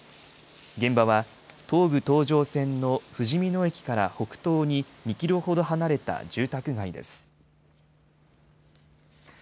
現場は、東武東上線のふじみ野駅から北東に２キロほど離れた住宅街です。